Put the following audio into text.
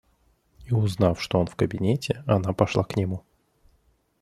И, узнав, что он в кабинете, она пошла к нему.